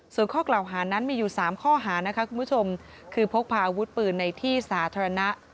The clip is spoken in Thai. ส่วนข้อกล่าวหานั้นมีอยู่๓ข้อหานะคะคุณผู้ชมคือพกพาอาวุธปืนในที่สาธารณะ